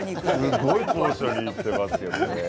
すごい高所に行ってますよね。